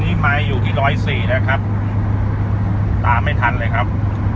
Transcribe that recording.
มีไม้อยู่ที่๑๔๐นะครับตามไม่ทันเลยครับ